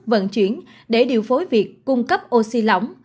vận chuyển để điều phối việc cung cấp oxy lỏng